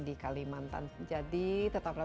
di kalimantan jadi tetaplah